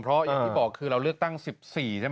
เพราะอย่างที่บอกคือเราเลือกตั้ง๑๔ใช่ไหม